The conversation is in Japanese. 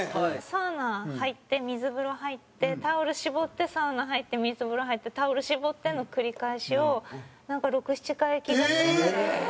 サウナ入って水風呂入ってタオル絞ってサウナ入って水風呂入ってタオル絞っての繰り返しをなんか６７回気が付いたら。